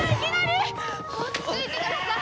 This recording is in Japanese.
落ち着いてください！